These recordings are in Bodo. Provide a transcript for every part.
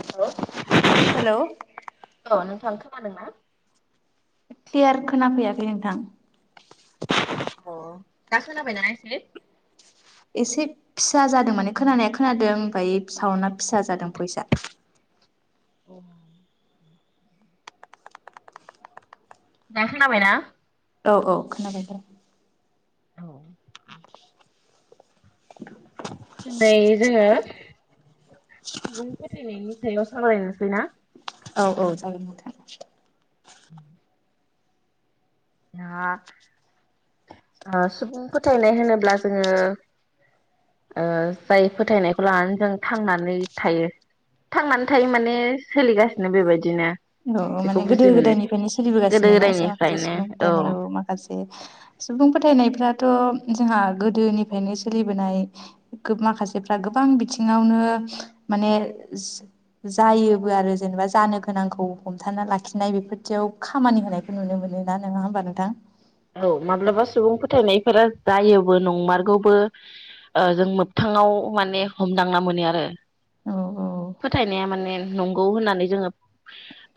हेलौ हेलौ औ नोंथां खोनादोंना? क्लियार खोनाफैयाखै नोंथां? दा खोनाबायना एसे एसे फिसा जादों माने खोनानाया खोनादों ओमफाय सावनना फिसा जादों भयिसा औ दा खोनाबाय ना? औ औ खोनाबाय दा। औ [inaudible] नै जोङो सुबुं फोथायनायनि‌ सा सायाव सावरायनोसै ना? औ औ जागोन नोंथां। उम ओ ओ सुबुं फोथायनाय होनोब्ला जोङो ओ जाय फोथायनायखौ लानानै जों थांनानै थायो थांनानै थायो माने सोलिगासिनो बेबायदिनो औ बेखौ माने गोदो बुजि मोनो गोदायनिफ्रायनो गोदो सोलिबोगासिनो ना माखासे गोदायनिफ्रायनो औ सुबुं माखासे सुबुं फोथायनायफ्राथ जोंहा गोदोनिफ्रायनो सोलिबोनाय ओ माखासेफ्रा गोबां बिथिङावनो माने जायोबो आरो जेनेबा जानो गोनांखौ हमथाना लाखिनाय बेफोरथियाव खामानि होनायखौ नुनो मोनो ना नङा होमबा नोंथां? औ माब्लाबा सुबुं फोथायनायफोरा जायोबो नंमारगौबो जों मोगथाङाव माने हमदांना मोनो आरो। औ औ फोथायनाया माने नंगौ होननानै जोङो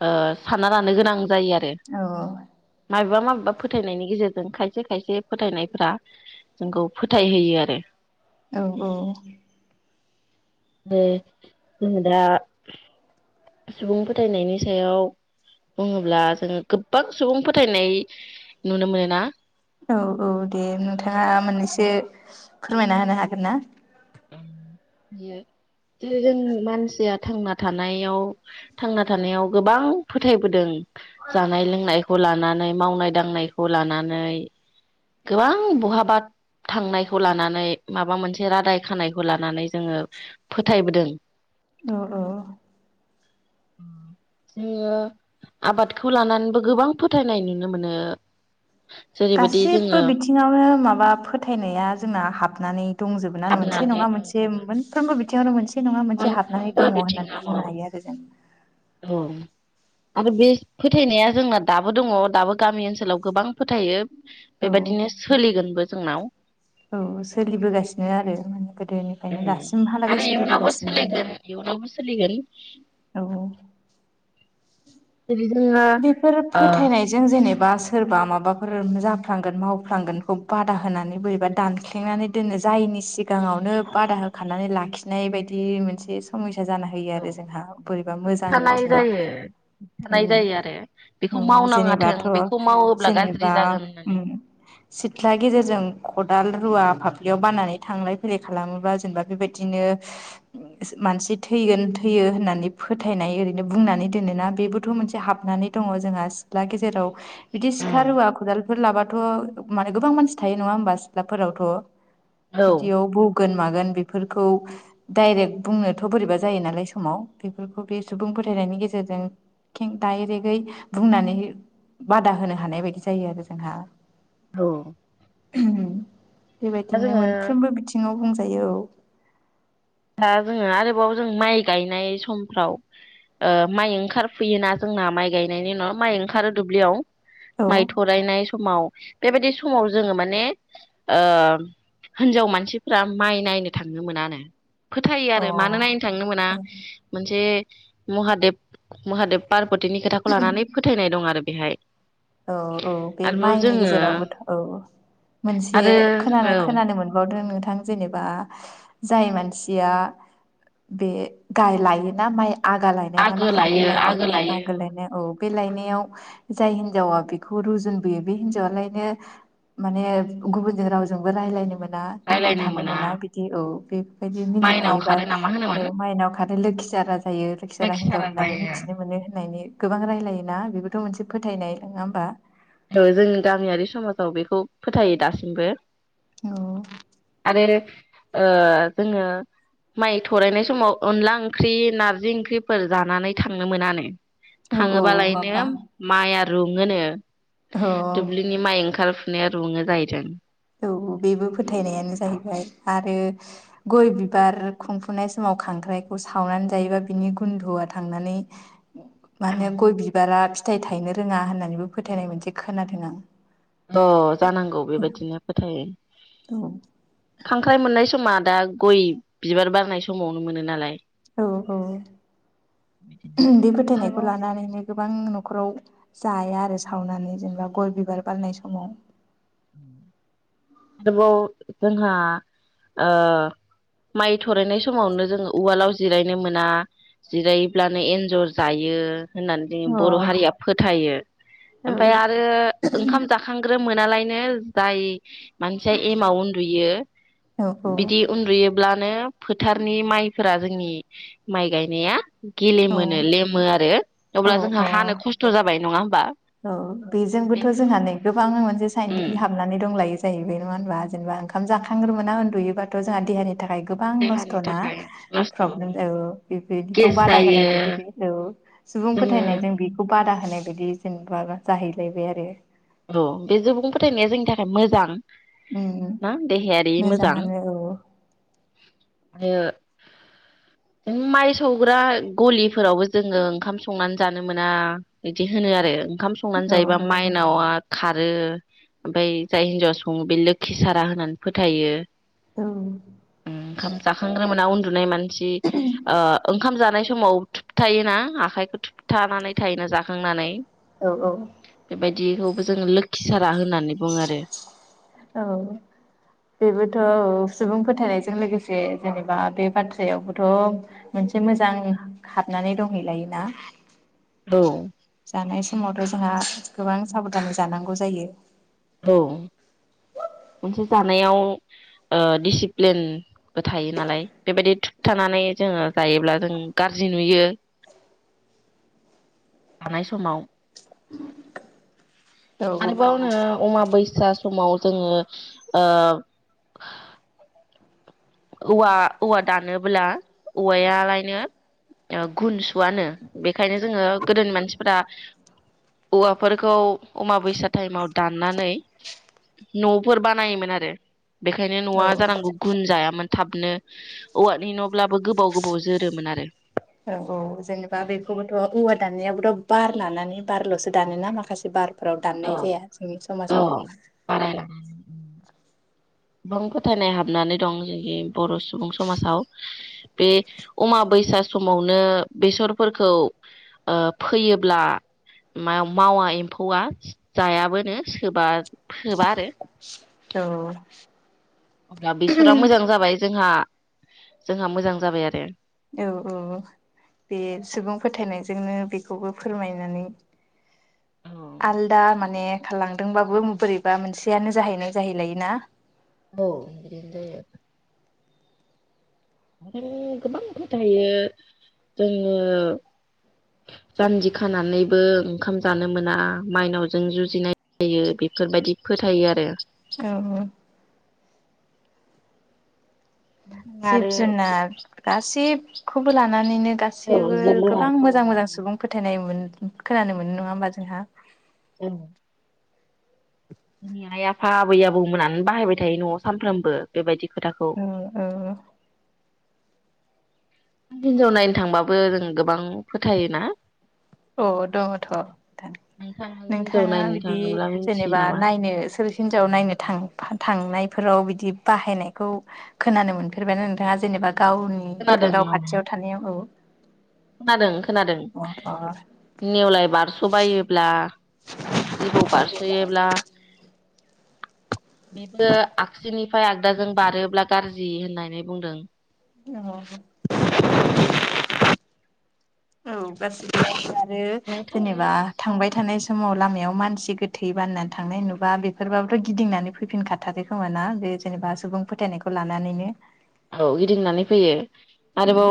ओ सानना लानो गोनां जायो आरो औ माबेबा माबे बा फोथ फोथायनायनि गेजेरजों खायसे खायसे फोथायनायफ्रा जोंखौ फोथायहोयो आरो। औ औ दे जों दा सुबुं फोथायनायनि सायाव बुङोब्ला जोङो गोबां सुबुं फोथायनाय नुनो मोनोना औ औ दे नोंथाङा मोननैसो फोरमायना होनो हागोन ना? बेयो जेरै जों मानसिया थांना थानायाव थांना थानायाव गोबां फोथायबोदों। जानाय लोंनायखौ लानानै मावनाय दांनायखौ लानानै गोबां बहाबा थांनायखौ लानानै माबा मोनसे रादाय खानायखौ लानानै जोङो फोथायबोदों औ औ ओ नोङो आबादखौ लानानैबो गोबां फोथायनाय नुनो मोनो जेरैबायदि गासिबो जोङो बिथिङावनो माबा फोथायनाया जोंना हाब नानै दंजोबोना मोनसे हाबनानै नङा दं मोनसे जोङो मोनफ्रोमबो बिथिङावनो मोनसे नङा मोनसे हाबनानै मोनफ्रोमबो दङ होननानै बिथिङाव औ बुंनो हायो आरो जों औ आरो बे फोथायनाया जोंना दाबो दङ दाबो गामि ओनसोलाव गोबां फोथायो औ बेबायदिनो सोलिगोनबो जोंनाव औ सोलिबोगासिनो नो आरो माने गोद ओ आरो इयुनावबो सोलिगोन इयुनावबो सोलिगोन औ जेरै जोङो बेफोर ओ फोथायनायजों जेनेब बा सोरबा माबाफोर बा जाफ्लांगोन मावफ्लांगोनखौ बादा होनानै बोरैबा दानख्लेंनानै दोनो जायनि सिगाङावनो बादा होखानानै लाखिनाय बायदि मोनसे समसा जाना होयो औ आरो जोंहा बोरैबा मोजां थानाय बिथिङाव जायो औ थानाय जायो आरो बेखौ ओ मावनाङाथों जेनेबाथ' बेखौ मावोब्ला गाज्रि जेनेबा जागोन होननानै ओम सिथ्ला गेजेरजों खदाल हाल रुवा फाफ्लियाव बनानै थांलाय फैलाय खालामोबा जेनेबा बेबायदिनो मानसि थैगोन थै होननानै फोथायनाय ओरैनो बुंनानै दोनोना बेबोथ' मोनसे हाब नानै दङ जोंहा सिख्ला गेजेराव बिदि सिखा रुवा खदालफोर लाबाथ' माने गोबां मानसि थायो नङा होमबा सिथ्लाफोरावथ' औ बिदियाव बौगोन मागोन बेफोर खौ दाइरेक्ट बुंनोथ' बोरैबा जायो नालाय समाव बेफोरखौ बे सुबुं फोथायनायनि गेजेरजों खें दायरेकयै बुंनानै बादा होनो हानाय बायदि जायो आरो जोंहा औ उम दा बेबायदिनो जोङो मोनफ्रोमबो बिथिङाव बुं थायो औ दा जोङो आरोबाव जों माइ गायनाय समफ्राव ओ माइ ओंखार फैयोना जोंना माइ गायनायनि उनाव माइ ओंखारो दुब्लियाव औ माइ थरायनाय समाव बेबायदि समाव जोङो माने ओ हिनजाव मानसिफ्रा माइ नायनो थांनो मोनानो फोथायो औ आरो मानो नायनो थांनो मोना मोनसे महादेब महादेब पार्बती बिदिनि खोथाखौ अ लानानै फोथायनाय दं आरो बेहाय औ औ बे आरोबाव माइनि जोङो गेजेरावबोथ' औ मोनसे आरो खोनानो औ खोनानो मोनबावदों नोंथां जेनेबा जाय मानसिया बे गाय लायोना माइ आगा लायनाय ना आगो मा होनो बे लायो लायनायखौ लायो आगो लायनाय औ बे लायनायाव जाय हिनजावा बेखौ रुजुनबोयो बे हिनजावलायनो माने गुबुन रावजोंबो रायलायनो मोना मिनिफानो मोना बिदि औ बेबायदि माइनाव मिनिफायोबा खारो नामा होनोमोन औ माइनाव आरो लोखिसाराजों जायो लोखिसारा लोखि हिनजाव सारा होननानै जायो मिथिनो मोनो होननानै गोबां रायजलायोना बेबोथ' मोनसे फोथायनाय नङा होमबा औ जों गामियारि समाजाव बेखौ फोथायो दासिमबो औ [unintelligible] ओ जोङो माइ थरायनाय समाव अनला ओंख्रि नारजि ओंख्रिफोर जानानै थांनो मोनानो औ औ माबा थाङोबालायनो माइ आरो रुङोनो औ दुब्लिनि माइ ओंखार रुङो जाहैदों औ बेबो फोथायनायानो जाहैबाय आरो गय बिबार खुंफुनाय समाव खांख्राइखौ सावनानै जायोबा बिनि गुन्दुआ थांनानै मा होनो गय बिबारा फिथाइ थायनो रोङा होननानैबो फोथायनाय मोनसे खोनादों आं अ जानांगौ बेबायदिनो औ [unintelligible] खांख्राइ मोननाय समा दा गय बिबार बारनाय समावनो मोनो नालाय औ औ बे फोथायनायखौ आरोबाव लानानैनो गोबां न'खराव जाया आरो सावनानै जेनेबा गय बिबार बारनाय समाव आरोबाव जोंहा ओ माइ थरायनाय समावनो जोङो उवालाव जिरायनो मोना जिरायोब्लानो एन्जर जायो होननानै जोंङो अ बर' हारिया फोथायो ओमफ्राय आरो ओंखाम जाखांग्रोमोन [unintelligible] बिनो जाय मानसिया एमाव उन्दुयो औ बिदि उन्दुयो अब्लानो फोथारनि माइफोरा जोंनि माइ गायनाया औ गेलेमोनो लेमो आरो औ अब्ला जोंहा औ हानो अ खस्थ' जाबाय नङा नङा होमब औ बेजोंबोथ' जोंहा नै गोबां मोनसे उम साइन्टिफिक हाबनानै दं लायो। जायो बे होनबा जेनेबा ओंखामाखांग्रोना उन्दुयोबाथ' जोंहा देहानि थाखाय गोबां देहानि नस्थ'ना थाखाय नस्थ' प्रब्लेम ज बेबायदिखौ गेस बादा होनाय जायो बायदि बे औ सुबुं जोङो फोथायनायजों बेखौ बादा होनाय बाय बिदि जेनेबा जाहैलायबाय आरो औ बे सुबुं फोथायनाया जोंनि थाखाय मोजां उम ना देहायारि मोजां मोजाङानो औ आरो उम माइ सौग्रा गलिफोरावबो जोङो ओंखाम संनानै जानो मोना बिदि होनो आरो। ओंखाम संनानै औ जायोबा माइ खारो ओमफफ्राय जाय हिन्जावा सङो बे लोखि सारा होननानै फोथायो। औ ओंखाम जाखांग्रा मोना उन नुनाय म [unintelligible] ओ ओंखाम जानाय समाव थुबथायोना आखाइखौ थुबथानानै थायोना जाखांनानै। औ औ बेबायदिखौबो जोङो लोखि सारा हो औ बेबोथ' ओ सुबुं फोथायनायजों लोगोसे जेनेबा बे बाथ्रायावबोथ' मोनसे मोजां हाबनानै दंहैलायोना? औ जानाय समावथ' जोंहा गोबां साबधानै जानांगौ जायो। औ मोनसे जानायाव दिडसिप्लिनबो थायो नालाय बेबायदि थुुब थानानै जोङो जायोब्ला जों गाज्रि नुयो। थानाय समाव औ आरोबावनो अमा बै फिसा समाव जोङो ओ औवा औवा दानोब्ला औवायालायनो गुन सुवानो बेखायनो जोङो गोदोनि मानसिफोरा औवाफोरखौ अमाबैसा टाइमाव दाननानै न'फोर बानायोमोन आरो बेखायनो न'आ जानांगौ औ गुन जायामोन। थाबनो औवानि न'ब्लाबो गोबाव गोबाव जोरोमोन आरो। औ औ जेनेबा बेखौबोथ' औवा दाननायाबोथ' बार लानानै बारल'सो दानोना माखासे बार फोराव औ दाननाय जाया जोंनि औ समाजाव बारायलां गोबां फोथायनाय हाबनानै दं जोंनि बर' सुबुं समाजाव बे अमाबैसा समावनो बेसरफोरखौ ओ फैयोब्ला म मावा एम्फौआ जायाबोनोबा सोबा आरो। औ अब्ला बेसरा मोजां जाबाय जोंहा जोंहा मोजां जाबाय आरो औ औ बे सुबुं फोथायनायजोंनो बेखौबो फोरमायनानै आलदा माने खारलांदोंबाबो बोरैबा मोनसेयानो जाहैनाय जाहैलायोना। औ आरो गोबां फोथायो जोङो ओ जान्जि खानानैबो ओंखाम जानो मोना मायनावजों जुजिनाय जायो बेफोरबायदि फोथायो आरो। औ जिब आरो जुनार गासिब खौबो लानानैनो औ गासिबो जिब गोबां जुनारखौ मोजां मोजां लानानै सुबुं फोथायनाय मोन खोनानो मोनो नङा होमबा जोंहा औ जोंनि आइ आफा आबै आबौमोनानो बाहायबाय थायो नयाव सानफ्रामबो बेबायदि खोथाखौ ओ ओ हिनजाव नायनो थांबाबो जों गोबां फोथायोना? अ दङथ नोंथां नोंथाङा हिनजाव नोंथाङा नायनो बिदि थाङोब्ला मिथियो जे-जेनेबा नामा नायनो सोर हिनजाव नायनो था थांनाय फोराव बिदि बाहायनायखौ खोनानो मोनफेरबायानो नोंथाङा जेनेबा गावनि खोनादों गाव औ खाथियाव थानायाव औ खोनादों। खोनादों अ नेवलाय बारसबायोब्ला जिबौ बारसयोब्ला बेबो आगसिनिफ्राय आगदाजों बारोब्ला गाज्रि जि होननानै बुंदों। औ औ बास नोंथांनि जेनेबा साव थांबाय थानाय समाव लामायाव मानसि गोथै बाननानै थांनाय नुबा बेफोरबाबोथ गिदिंनानै फैफिनखाथाराखै खोमा ना बे जेनेबा सुबुं फोथायनायखौ लानानैनो। औ गिदिंनानै फैयो। आरोबाव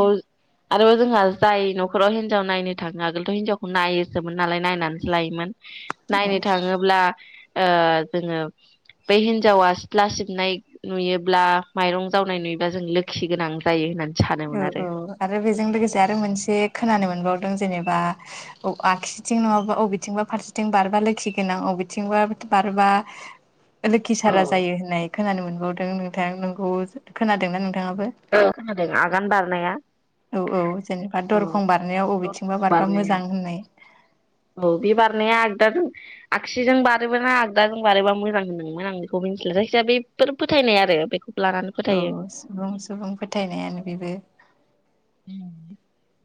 आरोबाव जोंहा जाय नखराव हिनजाव नायनो थाङो। आगोलथ हिनजावखौ नायोसोमोन नालाय नायनानैसो लायोमोन। औ नायनो थाङोब्ला ओ जोङो बै हिनजावा सिथ्ला सिबनाय नुयोब्ला माइरं जावनाय नुयो दा जों लोखि गोनां जायो होननानै औ आरो। औ आरो बेजों लोगोसे आरो मोनसे खोनानो मोनबाव जेनेबा आगसिथिं नङाबा बबेथिंबा फारसेथिं बारबा लोखि गोनां बबेथिंबा बारबा लोखि सारा जायो होननाय खोनानो मोनबावदों नोंथां नोंखौ खोनादोंना नों औ खोनादों। आगान बारनाया औ औ जेनेबा औ दरखं बारनायाव दरखं बबेथिंबा बारबा बारनायाव मोजां होननाय। औ बे बारनाया आगदाजों आगसिजों बारोबा ना आगदाजों बारोबा मोजां होन्दोंमोन आं बेखौ मिन्थिला जायखिजाया बेफोर फोथायनाय आरो बेखौ लानानै औ फोथायो। औ सुबुं सुबुं फोथायनायानो बेबो [inaudible]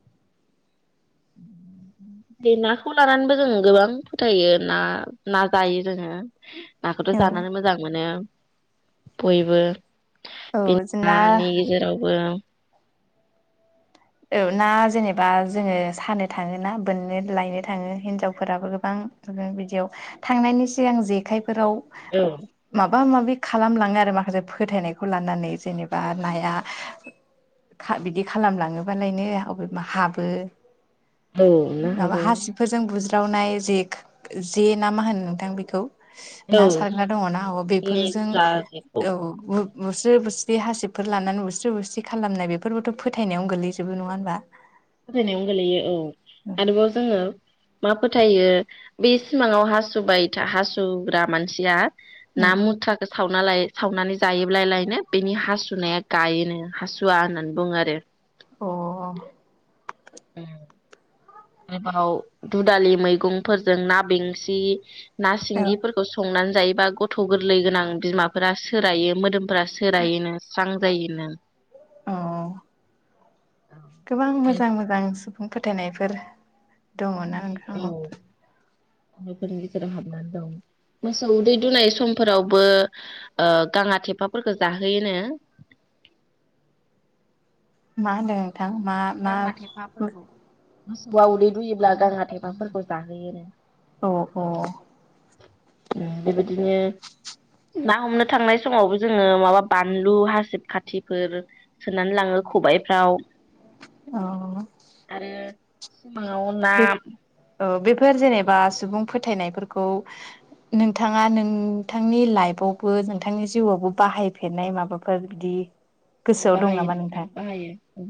बे नाखौ लानानैबो जों गोबां फोथायो ना ना जायो जोङो। नाखौथ औ जानानै मोजां मोनो। बयबो औ बि जोंना नानि गेजेरावबो औ ना जेनेबा जोङो सानो थाङो ना बोननो लायनो थाङो हिनजावफोराबो गोबां बिदियाव थांनायनि सिगां जेखाइ फोराव औ माब माबा माबि खालामलाङो आरो माखासे फोथायनायखौ लानानै जेनेबा नाया खा बिदि खालामलाङोबा बालायनो अबेबा हाबो। औ ना हाबो। रावनाय जेक जे ना मा होनो नोंथां बेखौ? औ ना सारग्रा दङना बेफोरजों लेखा जेखौ औ बुस्रि बुस्रि हासिबफोर लानानै बुस्रि बुस्रि खालामनाय बेफोरबोथ' फोथायनायावनो गोलै ज जेबो नङा होनबा। फोथायनायावनो गोलैयो औ‌। आरोबाव जोङो मा फोथायो बे सिमाङाव हासुबाय था हासुग्रा मानसिया ना मुथुवाखो सावना लाय सावनानै जायोब्ला लायनो बेनि हासुनाया गायोनो हासुवा होननानै बुङो आरो। अ उम एबाव दुदालि मैगंफोरजों ना बेंसि ना अ सिंगिफोरखौ संनानै जायोबा गथ' गोरलै गोनां बिमाफोरा सोरायो मोदोम फ्राय सोरायोनो स्रां जायोनो। अ गोबां आरो मोजां मोजां सु फोथायनायफोर दङ ना औ ओंखामाव। फोरनि गेजेराव हाबनानै दं मोसौ उदै दुनाय समफोरावबो ओ गाङा थेफाफोरखौ जाहोयोनो। मा होनो थां मा मा थेफाफोरखौ मोसौआ उदै दुयोब्ला गांहा थेफाफोरखौ जाहोयोनो। अ अ बेबायदिनो ना हमनो थांनाय समावबो जोङो माबा बानलु हासिब खाथिफोर सोनानै लाङो खबायफ्राव। अ बाव ना औ बेफोर जेनेबा सुबुं फोथायनायफोरखौ नोंथाङा नोंथांनि लाइफआवबो नोंथांनि जिउआवबो बाहायफेरनाय माबाफोर बिदि औ गोसोआव दं बाहायो नामा नोंथां बाहायो।